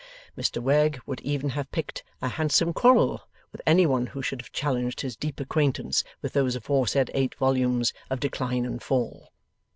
Mr Wegg would even have picked a handsome quarrel with any one who should have challenged his deep acquaintance with those aforesaid eight volumes of Decline and Fall.